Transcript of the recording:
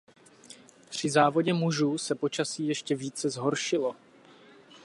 Při závodě mužů se počasí ještě více zhoršilo.